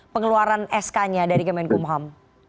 pengeluaran sk nya dari kemenkumham